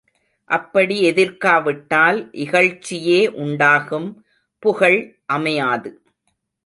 அப்படி எதிர்க்காவிட்டால் இகழ்ச்சியே உண்டாகும் புகழ் அமையாது.